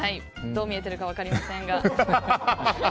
どう見えてるか分かりませんが。